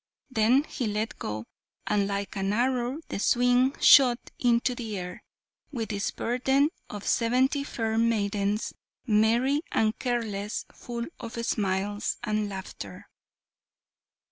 Then he let go, and like an arrow the swing shot into the air, with its burden of seventy fair maidens, merry and careless, full of smiles and laughter.